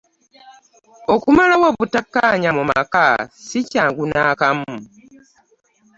Okumalawo obutakkaanya mu maka si kyangu n'akamu.